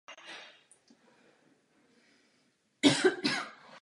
Toto úsilí by rozhodně stálo za to.